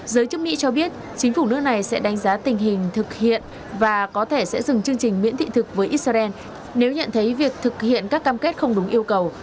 giới chức mỹ cho biết chính phủ nước này sẽ đánh giá tình hình thực hiện và có thể sẽ dừng chương trình miễn thị thực với israel nếu nhận thấy việc thực hiện các cam kết không đúng yêu cầu